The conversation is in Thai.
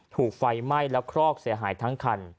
ถูกไฟไหม้และคลอกเสียหายทั้งคัน